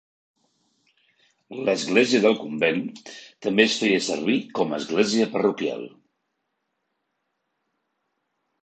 L'església del convent també es feia servir com a església parroquial.